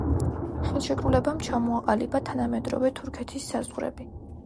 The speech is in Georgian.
ხელშეკრულებამ ჩამოაყალიბა თანამედროვე თურქეთის საზღვრები.